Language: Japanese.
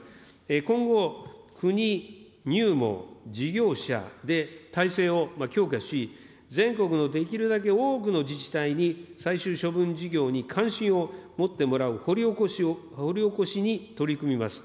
今後、国、、事業者で体制を強化し、全国のできるだけ多くの自治体に、最終処分事業に関心を持ってもらう、掘り起こしを、掘り起こしに取り組みます。